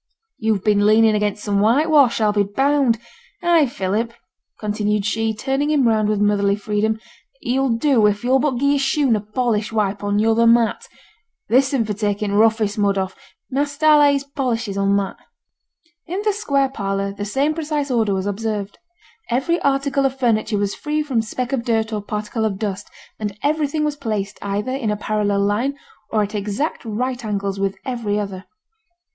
'You've been leanin' again some whitewash, a'll be bound. Ay, Philip,' continued she, turning him round with motherly freedom, 'yo'll do if yo'll but gi' your shoon a polishin' wipe on yon other mat. This'n for takin' t' roughest mud off. Measter allays polishes on that.' In the square parlour the same precise order was observed. Every article of furniture was free from speck of dirt or particle of dust; and everything was placed either in a parallel line, or at exact right angles with every other.